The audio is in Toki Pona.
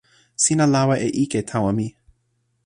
sina lawa e ike tawa mi.